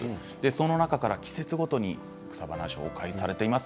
その中から季節ごとに紹介されています。